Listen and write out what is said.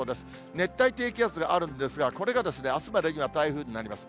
熱帯低気圧があるんですが、これがあすまでには台風になります。